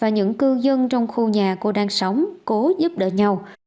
những cư dân trong khu nhà cô đang sống cố giúp đỡ nhau